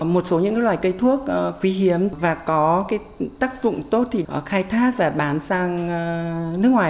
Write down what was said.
một số những loài cây thuốc quý hiếm và có cái tác dụng tốt thì khai thác và bán sang nước ngoài